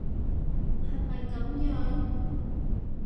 係咪噉樣？